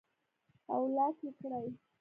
او لاک ئې کړي